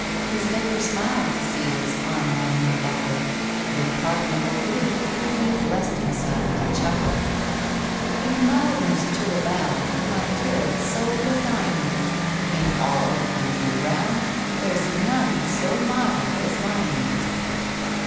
His Vicar smiled to see This armour on him buckled: With pardonable glee He blessed himself and chuckled. "In mildness to abound My curate's sole design is; In all the country round There's none so mild as mine is!"